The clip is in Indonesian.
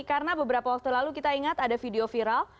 karena beberapa waktu lalu kita ingat ada video viral